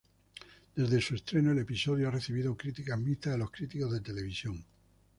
Desde su estreno, el episodio ha recibido críticas mixtas de los críticos de televisión.